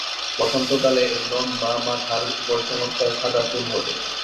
বসন্তকালে এর লম্বা মাথার ওপর চমৎকার সাদা ফুল ফোটে।